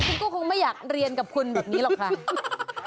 คุณก็คงไม่อยากเรียนกับคุณแบบนี้หรอกค่ะ